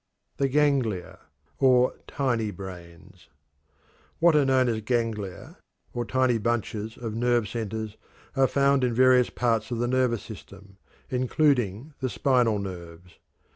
THE GANGLIA OR "TINY BRAINS." What are known as ganglia, or tiny bunches of nerve cells, are found in various parts of the nervous system, including the spinal nerves.